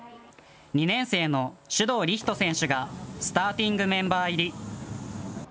２年生の首藤理仁選手がスターティングメンバー入り。